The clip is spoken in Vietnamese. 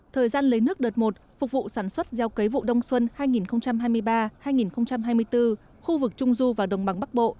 thời gian lấy nước đợt một phục vụ sản xuất gieo cấy vụ đông xuân hai nghìn hai mươi ba hai nghìn hai mươi bốn khu vực trung du và đồng bằng bắc bộ